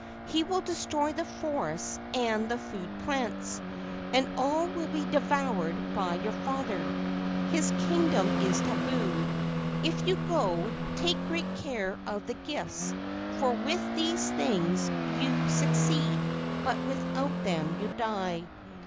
He will destroy the forests and the food plants, and all will be devoured by your father. His kingdom is tabu. If you go, take great care of the gifts, for with these things you KE AU NINI 173 succeed, but without them you die."